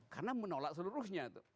karena menolak seluruhnya